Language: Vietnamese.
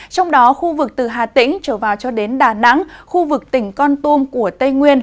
trong đó khu vực từ hà tĩnh trở vào cho đến đà nẵng khu vực tỉnh con tum của tây nguyên